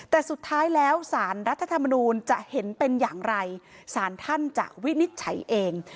แต่สุดท้ายแล้วสารรัฐธรรมนูลจะเห็นเป็นอย่างไรสารท่านจะวินิจฉัยเอง